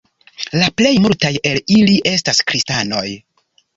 La plej multaj el ili estas kristanoj.